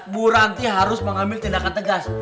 buranti harus mengambil tindakan tegas